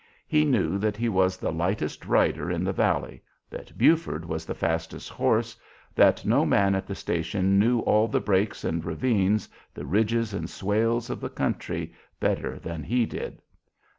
He knew that he was the lightest rider in the valley; that Buford was the fastest horse; that no man at the station knew all the "breaks" and ravines, the ridges and "swales" of the country better than he did.